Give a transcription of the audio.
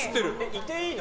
いていいの？